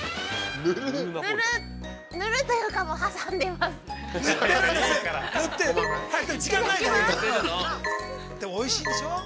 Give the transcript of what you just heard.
◆おいしい！